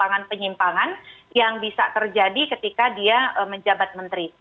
jadi itu adalah penyimpangan penyimpangan yang bisa terjadi ketika dia menjabat menteri